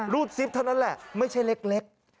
ซิปเท่านั้นแหละไม่ใช่เล็ก